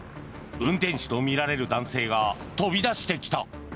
運転手とみられる男性が飛び出してきた。